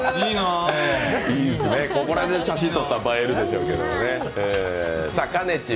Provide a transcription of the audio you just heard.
ここで写真撮ったら映えるでしょうけどね。